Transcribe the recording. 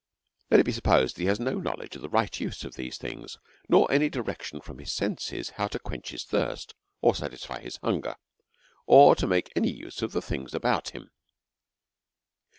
let it be supposed, that he has no knowledge of the right use of these things, nor any direction from his senses how to quench his thirst, or satisfy his hunger, or make any use of the things about him.